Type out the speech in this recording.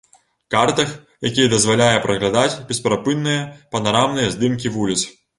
Картах, які дазваляе праглядаць бесперапынныя панарамныя здымкі вуліц.